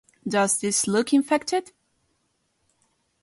Does This Look Infected?